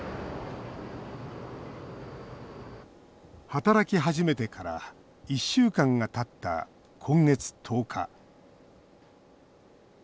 働き始めてから１週間がたった今月１０日１０日